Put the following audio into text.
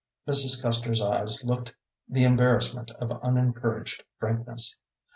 Mrs. Custer's eyes looked the embarrassment of unencouraged frankness.